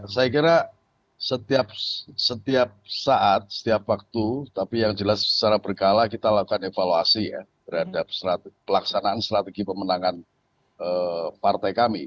saya kira setiap saat setiap waktu tapi yang jelas secara berkala kita lakukan evaluasi ya terhadap pelaksanaan strategi pemenangan partai kami